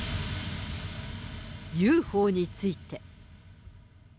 ＵＦＯについて。